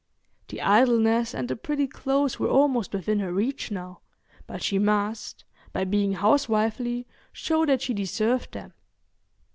The idleness and the pretty clothes were almost within her reach now, but she must, by being housewifely, show that she deserved them.